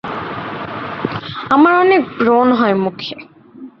আমার অনেক ব্রণ হয় মুখে।